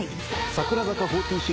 櫻坂４６。